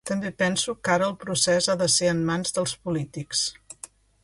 També penso que ara el procés ha de ser en mans dels polítics.